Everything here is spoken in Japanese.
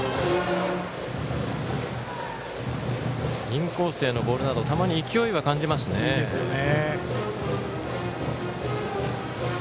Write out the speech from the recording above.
インコースへのボールなど球に勢いは感じますね。